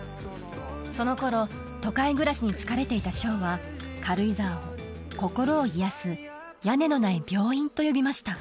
その頃都会暮らしに疲れていたショーは軽井沢を心を癒やす屋根のない病院と呼びました